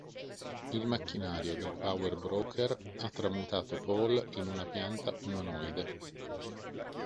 Il macchinario del Power Broker ha tramutato Paul in una pianta umanoide.